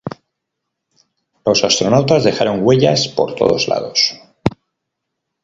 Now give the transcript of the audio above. Los astronautas dejaron huellas por todos lados.